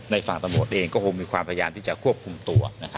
ฝั่งตำรวจเองก็คงมีความพยายามที่จะควบคุมตัว